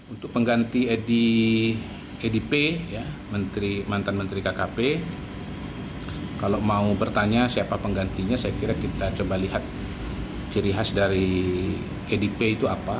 untuk pengganti edi edi p mantan menteri kkp kalau mau bertanya siapa penggantinya saya kira kita coba lihat ciri khas dari edi p itu apa